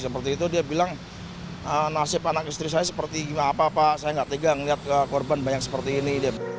seperti itu dia bilang nasib anak istri saya seperti apa apa saya nggak tegang lihat korban banyak seperti ini